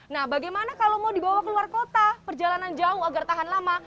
nah bagaimana kalau mau dibawa keluar kota perjalanan jauh agar tahan lama